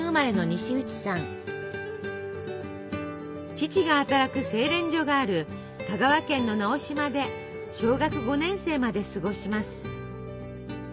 父が働く精錬所がある香川県の直島で小学５年生まで過ごします。